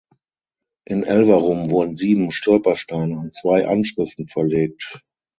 In Elverum wurden sieben Stolpersteine an zwei Anschriften verlegt.